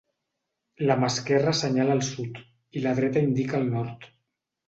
La mà esquerra assenyala el sud, i la dreta indica el nord.